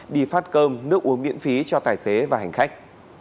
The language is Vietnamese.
đi phát cơm nước uống miễn phí cho tài xế và hành khách